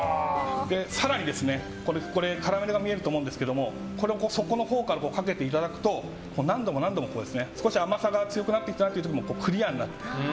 更に、カラメルが見えると思うんですがそこからかけていただくと何度も何度も少し甘さが強くなってきたなという時もクリアになって。